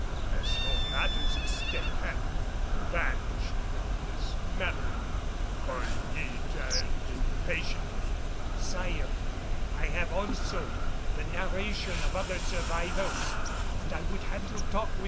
as though matters of State had vanished from his memory. Coligny turned impatiently. "Sire, I have also the narration of other survivors and I would have you talk with M.